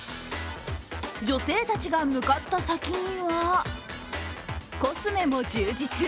女性たちが向かった先にはコスメも充実。